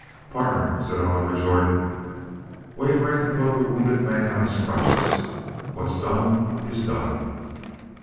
"Partner," said Oliver Jordan, wavering above the wounded man on his crutches, "what's done is done."